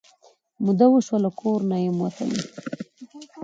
موده وشوه له کور نه یم وتلې